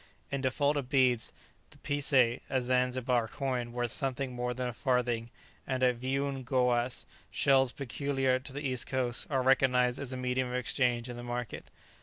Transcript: In default of beads, the picé, a Zanzibar coin worth something more than a farthing, and vioon gooas, shells peculiar to the East Coast, are recognized as a medium of exchange in the market.